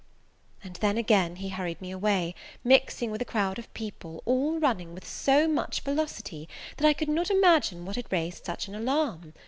And then again he hurried me away, mixing with a crowd of people, all running with so much velocity, that I could not imagine what had raised such an alarm.